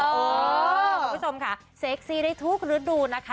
คุณผู้ชมค่ะเซ็กซี่ได้ทุกฤดูนะคะ